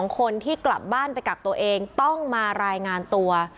คนที่กลับบ้านไปกักตัวเองต้องมารายงานตัว